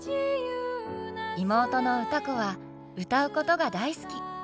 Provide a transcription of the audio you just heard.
妹の歌子は歌うことが大好き。